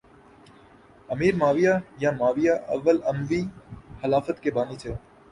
امیر Muawiya یا Muawiya اول اموی خلافت کے بانی تھے